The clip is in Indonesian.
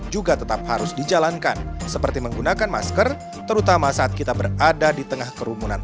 juga tetap harus dijalankan seperti menggunakan masker terutama saat kita berada di tengah kerumunan